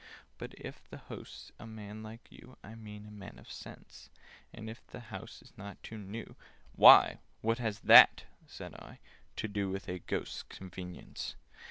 "But if the host's a man like you— I mean a man of sense; And if the house is not too new—" "Why, what has that," said I, "to do With Ghost's convenience?"